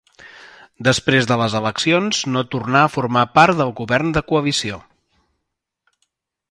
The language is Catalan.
Després de les eleccions no tornà a formar part del govern de coalició.